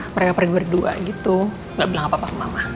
mereka pergi berdua gitu gak bilang apa apa mama